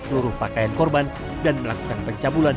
seluruh pakaian korban dan melakukan pencabulan